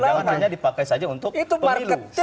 jangan hanya dipakai saja untuk pemilu